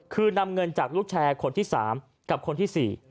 คือนำเงินจากลูกแชร์คนที่๓กับคนที่๔